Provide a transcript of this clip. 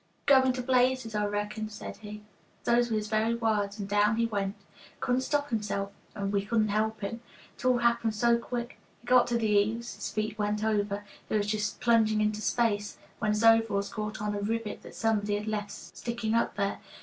"'Going to blazes, I reckon,' said he. Those were his very words. And down he went; couldn't stop himself, and we couldn't help him, it all happened so quick. He got to the eaves, his feet went over, he was just plunging into space when his overalls caught on a rivet that somebody had left sticking up there.